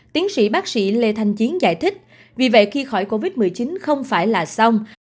tiến sĩ bác sĩ lê thanh chiến giải thích vì vậy khi khỏi covid một mươi chín không phải là xong